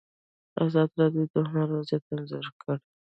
ازادي راډیو د هنر وضعیت انځور کړی.